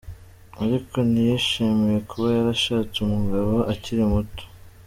Ariko ntiyishimiye kuba yarashatse umugabo akiri muto.